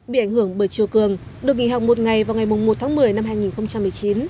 bị ảnh hưởng bởi chiều cường được nghỉ học một ngày vào ngày một tháng một mươi năm hai nghìn một mươi chín